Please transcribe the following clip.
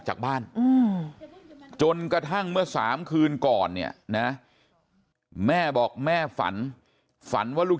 จากบ้านจนกระทั่งเมื่อ๓คืนก่อนเนี่ยนะแม่บอกแม่ฝันฝันว่าลูก